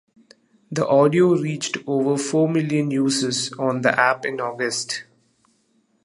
The audio reached over four million uses on the app in August.